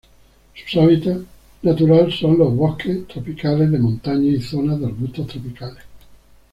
Su hábitat natural son los bosques tropicales de montaña y zonas de arbustos tropicales.